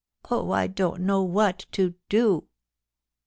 Oh, I don't know what to do